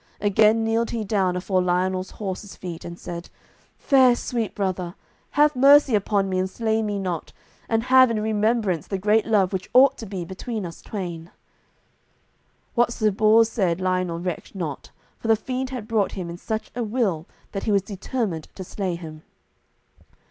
Again kneeled he down afore Lionel's horse's feet, and said, "Fair sweet brother, have mercy upon me and slay me not, and have in remembrance the great love which ought to be between us twain." What Sir Bors said Lionel recked not, for the fiend had brought him in such a will that he was determined to slay him.